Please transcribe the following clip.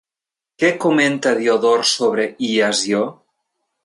Què comenta Diodor sobre Iasió?